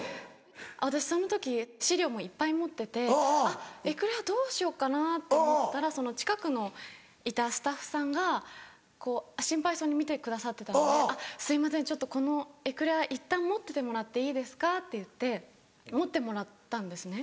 私その時資料もいっぱい持っててあっエクレアどうしようかなって思ったらその近くのいたスタッフさんがこう心配そうに見てくださってたんで「すいませんちょっとこのエクレアいったん持っててもらっていいですか？」って言って持ってもらったんですね。